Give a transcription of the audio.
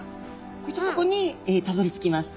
こういったとこにたどりつきます。